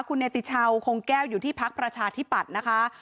คุณเนติชาวคงแก้วอยู่ที่พักประชาธิปัตย์นะคะ